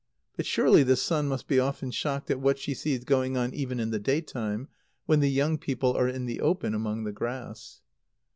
But surely the sun must be often shocked at what she sees going on even in the day time, when the young people are in the open among the grass.